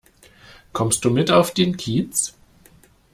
Kommst du mit auf den Kiez?